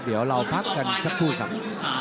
เดี๋ยวเราพักกันสักครู่ครับ